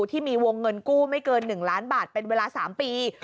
ที่มีวงเงินกู้ไม่เกิน๑ล้านบาทเป็นเวลา๓ปี